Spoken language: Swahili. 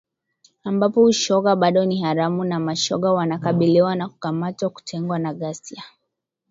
ambapo ushoga bado ni haramu na mashoga wanakabiliwa na kukamatwa, kutengwa na ghasia